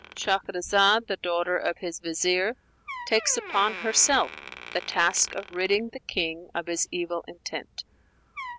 Shahrzad, the daughter of his Vizier, takes upon herself the task of ridding the king of his evil intent.